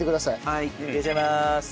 はい入れちゃいます。